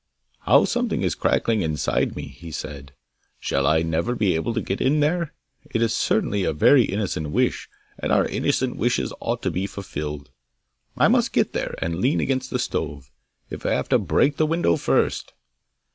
'How something is cracking inside me!' he said. 'Shall I never be able to get in there? It is certainly a very innocent wish, and our innocent wishes ought to be fulfilled. I must get there, and lean against the stove, if I have to break the window first!